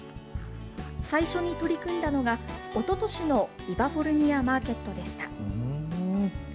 最初に取り組んだのが、おととしのイバフォルニア・マーケットでした。